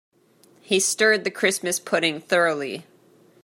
He stirred the Christmas pudding thoroughly.